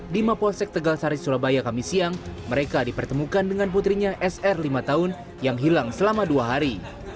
di mapolsek tegal sari surabaya kami siang mereka dipertemukan dengan putrinya sr lima tahun yang hilang selama dua hari